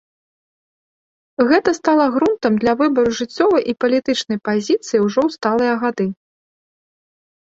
Гэта стала грунтам для выбару жыццёвай і палітычнай пазіцыі ўжо ў сталыя гады.